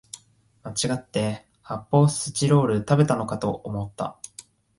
まちがって発泡スチロール食べたのかと思った